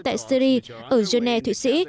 tại syri ở geneva thụy sĩ